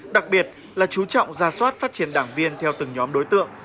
đặc biệt là chú trọng ra soát phát triển đảng viên theo từng nhóm đối tượng